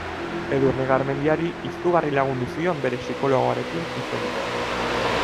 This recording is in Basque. Edurne Garmendiari izugarri lagundu zion bere psikologoarekin hitz egiteak.